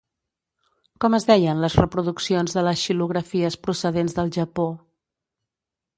Com es deien les reproduccions de les xilografies procedents del Japó?